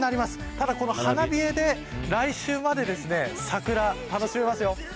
ただ、この花冷えで来週まで桜、楽しめますよ。